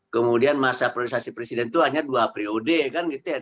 kemudian masa priorisasi presiden itu hanya dua periode kan gitu ya